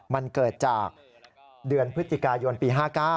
มันเกิดจากเดือนพฤศจิกายนปี๕๙